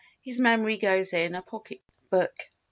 His memory goes in a pocket book.